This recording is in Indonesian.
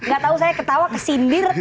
gak tahu saya ketawa kesindir